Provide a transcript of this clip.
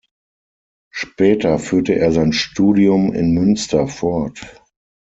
Später führte er sein Studium in Münster fort.